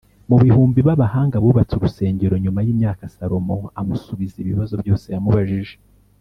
mu bihumbi b abahanga bubatse urusengero Nyuma y imyaka Salomo amusubiza ibibazo byose yamubajije